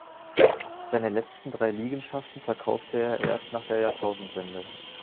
Seine letzten drei Liegenschaften verkaufte er erst nach der Jahrtausendwende.